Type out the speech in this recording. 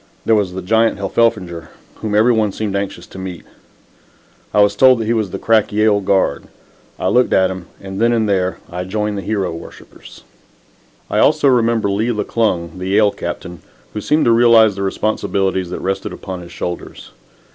There was the giant Heffelfinger whom every one seemed anxious to meet. I was told that he was the crack Yale guard. I looked at him, and, then and there, I joined the hero worshippers. I also remember Lee McClung, the Yale captain, who seemed to realize the responsibilities that rested upon his shoulders.